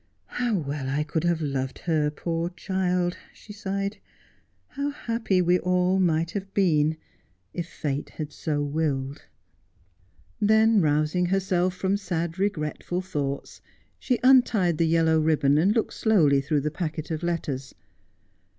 ' How well I could have loved her, poor child,' she sighed. ' How happy we all might have been, if fate had so willed,' Morton's Womenkind. 45 Then, rousing herself from sad, regretful thoughts, she untied the yellow ribbon and looked slowly through the packet of letters.